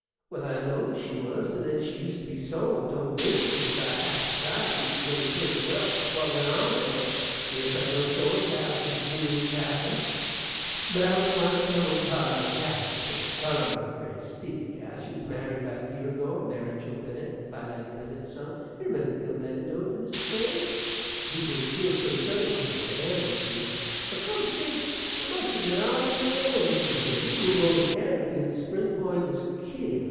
well, I know she was; but then she used to be sewin' 't old Winkle's about half the time, and she know'd purty well what went on there: yes, I know sewin' gals is ginerally tattlers.... But I was gwine to tell what Carline Gallup said. Carline was a very stiddy gal: she was married about a year ago, married Joe Bennet, Philander Bennet's son: you remember Phil Bennet, don't you, Mr. Crane? he 'twas killed so sudding over to Ganderfield? Though, come to think, it must 'a' ben arter you went away from here. He'd moved over to Ganderfield the spring afore he was killed.